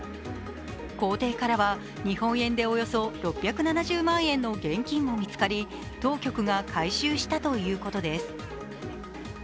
公邸からは日本円でおよそ６７０万円の現金も見つかり、当局が回収したということです。